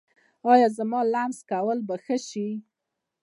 ایا زما لمس کول به ښه شي؟